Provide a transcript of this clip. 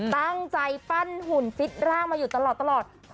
ตั้งใจปั้นหุ่นฟิตร่างมาอยู่ตลอด